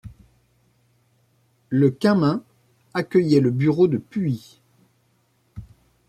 Le Qinmin accueillait le bureau de Puyi.